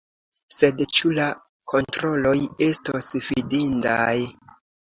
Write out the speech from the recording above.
Sed ĉu la kontroloj estos fidindaj?